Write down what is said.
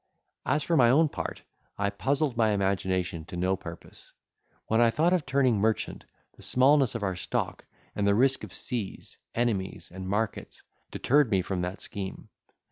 As for my own part, I puzzled my imagination to no purpose. When I thought of turning merchant, the smallness of our stock, and the risk of seas, enemies, and markets, deterred me from that scheme.